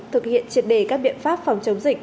thực hiện triệt đề các biện pháp phòng chống dịch